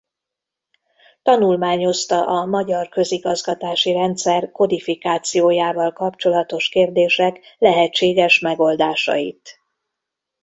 Tanulmányozta a magyar közigazgatási rendszer kodifikációjával kapcsolatos kérdések lehetésges megoldásait.